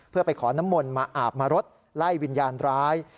เพื่อไปขอน้ำมนต์มาอาบมารดไล่วิญญาณร้าย